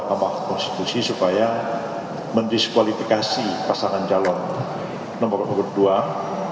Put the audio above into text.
maka kita juga akan mencoba untuk membuat konstitusi supaya mendiskualifikasi pasangan calon nomor uruh dua